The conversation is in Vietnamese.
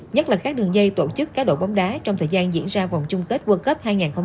nhất là các đường dây tổ chức cá độ bóng đá trong thời gian diễn ra vòng chung kết world cup hai nghìn hai mươi hai